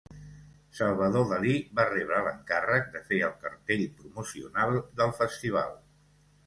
Salvador Dalí va rebre l'encàrrec de fer el cartell promocional del Festival.